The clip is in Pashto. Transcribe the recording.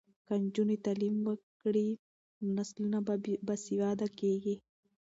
که نجونې تعلیم وکړي نو نسلونه نه بې سواده کیږي.